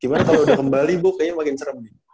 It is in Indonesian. gimana kalo udah kembali bu kayaknya makin serem